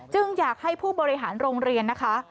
อยากให้ผู้บริหารโรงเรียนนะคะ